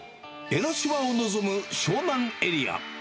江の島を望む湘南エリア。